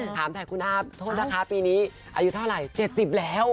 ถามถ่ายคุณอ้าโทษนะคะปีนี้อายุเท่าไหร่๗๐แล้ว